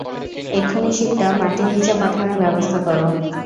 এক্ষুনি শিপটা মাঠির নিচে পাঠানোর ব্যবস্থা করো।